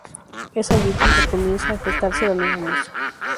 Es allí adonde comienza a gestarse la nueva música.